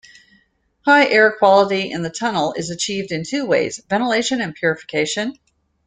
High air quality in the tunnel is achieved in two ways: ventilation and purification.